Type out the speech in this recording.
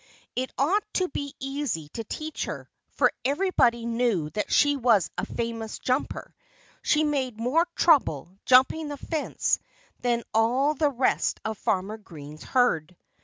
It ought to be easy to teach her. For everybody knew that she was a famous jumper. She made more trouble, jumping the fence, than all the rest of Farmer Green's herd.